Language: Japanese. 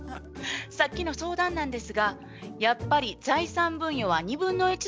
さっきの相談なんですがやっぱり財産分与は２分の１ずつなんですね。